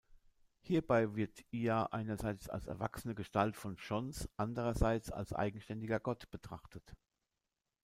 Hierbei wird Iah einerseits als erwachsene Gestalt von Chons, andererseits als eigenständiger Gott betrachtet.